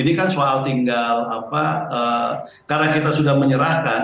ini kan soal tinggal karena kita sudah menyerahkan